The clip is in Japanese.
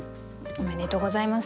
おめでとうございます。